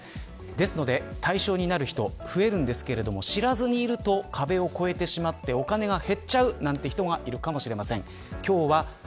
ですので、対象になる人が増えるんですけれど知らずにいると壁を超えてお金が減っちゃうなんて人がいるかもしれません。